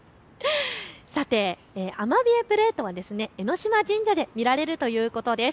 さてアマビエプレートは江島神社で見られるということです。